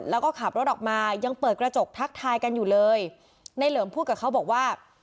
แล้วก็ขับรถออกมายังเปิดกระจกทักทายกันอยู่เลยในเหลิมพูดกับเขาบอกว่า